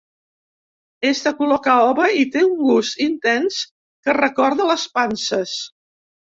És de color caoba i té un gust intens que recorda les panses.